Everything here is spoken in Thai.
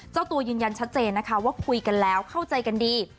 เจ้าตัวยืนยันชัดเจนนะคะว่าคุยกันแล้วเข้าใจกันดี